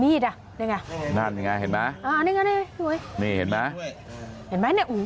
มีดอ่ะนี่ไงนั่นไงเห็นไหมอ่านี่ไงนี่เห็นไหมมีดด้วยเห็นไหมเนี่ยอุ้ย